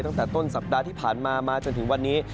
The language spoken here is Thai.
ตั้งแต่ต้นสัปดาห์ที่ผ่านมามาจนถึงวันนี้